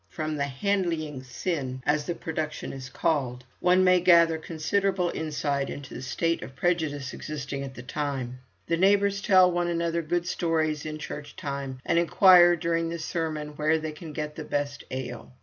From the "Handlyng Sinne," as the production is called, one may gather considerable insight into the state of prejudice existing at the time. The neighbours tell one another good stories in church time, and inquire during the sermon where they can get the best ale.